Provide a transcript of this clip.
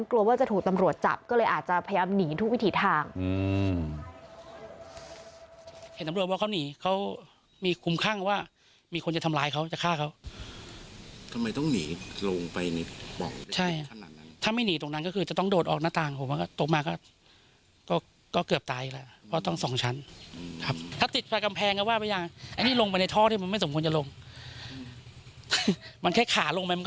กลัวว่าจะถูกตำรวจจับก็เลยอาจจะพยายามหนีทุกวิถีทาง